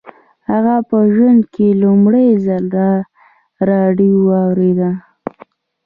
هغه په ژوند کې لومړي ځل راډیو واورېده